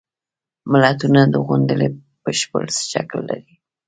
متلونه د غونډلې بشپړ شکل لري